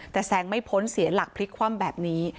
แต่แซงไม่พ้นเสียหลักพลิกคว่ำแบบนี้